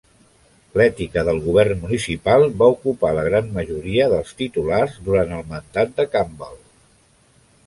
L'ètica del govern municipal va ocupar la gran majoria dels titulars durant el mandat de Campbell.